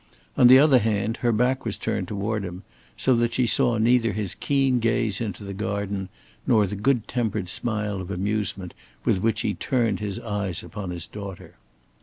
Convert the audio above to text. On the other hand, her back was turned toward him, so that she saw neither his keen gaze into the garden nor the good tempered smile of amusement with which he turned his eyes upon his daughter.